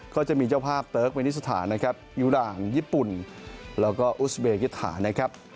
ก็จะมีเจ้าภาพเติร์กเมนิสถานนะครับอิรางญี่ปุ่นแล้วก็อุสเบกิธานะครับ